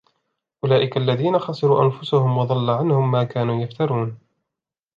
أُولَئِكَ الَّذِينَ خَسِرُوا أَنْفُسَهُمْ وَضَلَّ عَنْهُمْ مَا كَانُوا يَفْتَرُونَ